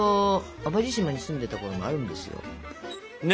淡路島に住んでたころもあるんですよ。ね。